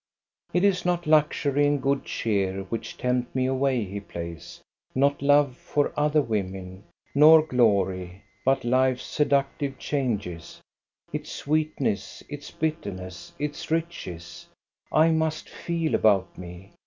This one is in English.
" It is not luxury and good cheer, which tempt me away," he plays " not love for other women, nor glory, but life's seductive changes : its sweetness, its bitterness, its riches, I must feel about me.